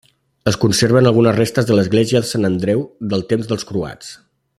Es conserven algunes restes de l'església de Sant Andreu del temps dels croats.